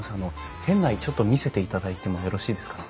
店内ちょっと見せていただいてもよろしいですかね？